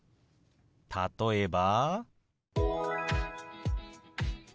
例えば。